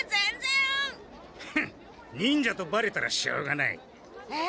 忍者とバレたらしょうがない。えっ？